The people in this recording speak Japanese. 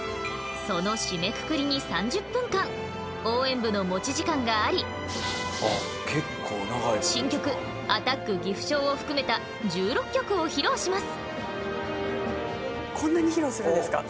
その締めくくりに３０分間応援部の持ち時間があり新曲「アタック岐阜商」を含めた１６曲を披露します。